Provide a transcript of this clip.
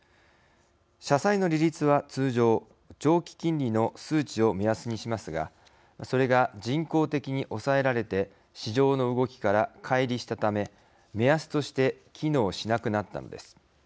社債の利率は通常長期金利の数値を目安にしますがそれが人工的に抑えられて市場の動きから、かい離したため目安として機能しなくなったのです。